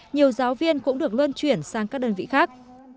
nhiều giáo viên cũng được luân chuyển sang các đơn vị khác